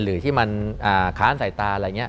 หรือที่มันค้านสายตาอะไรอย่างนี้